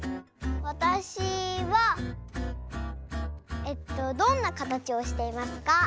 わたしはえっとどんなかたちをしていますか？